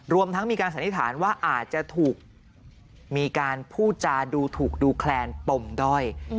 รวมทั้งมีการสันนิษฐานว่าอาจจะถูกมีการพูดจาดูถูกดูแคลนปมด้อย